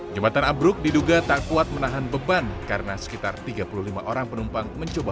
jembatan ambruk diduga tak kuat menahan beban karena sekitar tiga puluh lima orang penumpang mencoba